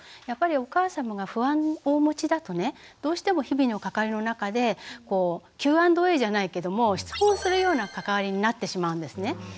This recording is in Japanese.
やっぱりお母様が不安をお持ちだとねどうしても日々の関わりの中でＱ＆Ａじゃないけども質問するような関わりになってしまうんですね。